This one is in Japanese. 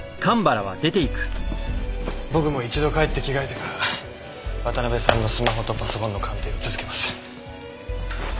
僕も一度帰って着替えてから渡辺さんのスマホとパソコンの鑑定を続けます。